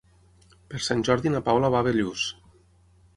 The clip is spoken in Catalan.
Per Sant Jordi na Paula va a Bellús.